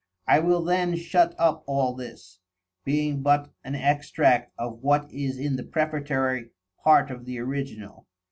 _I will then shut up all this, being but an Extract of what is in the Prefatory part of the Original.